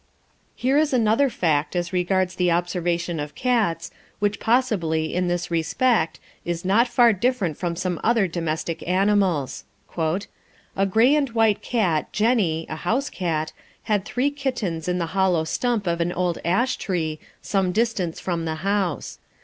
Here is another fact as regards the observation of cats, which possibly, in this respect, is not far different from some other domestic animals. "A gray and white cat, 'Jenny' (a house cat), had three kittens in the hollow stump of an old ash tree, some distance from the house.